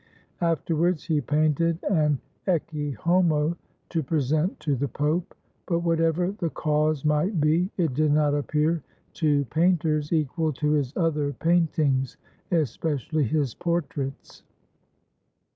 Afterwards he painted an Ecce Homo to present to the Pope; but whatever the cause might be, it did not appear to painters equal to his other paintings, especially his portraits.